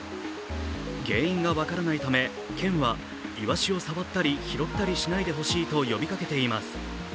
原因が分からないため、県はいわしを触ったり拾ったりしないでほしいと呼びかけています。